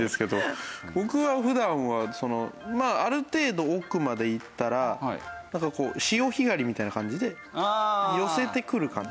僕は普段はある程度奥までいったらなんかこう潮干狩りみたいな感じで寄せてくる感じ。